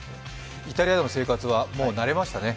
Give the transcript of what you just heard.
イタリアでの生活はもう慣れましたね？